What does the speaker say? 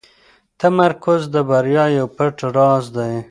تمرکز د بریا یو پټ راز دی.